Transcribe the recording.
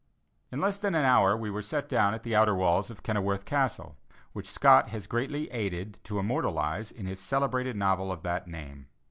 In less than an hour we were set down at the outer walls of Kenilworth Castle, which Scott has greatly aided to immortalize in his celebrated novel of that name.